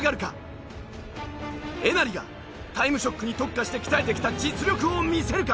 えなりが『タイムショック』に特化して鍛えてきた実力を見せるか？